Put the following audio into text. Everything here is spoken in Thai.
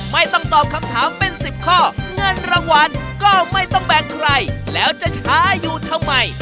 ไม่ต้องตอบคำถามเป็น๑๐ข้อเงินรางวัลก็ไม่ต้องแบ่งใครแล้วจะช้าอยู่ทำไม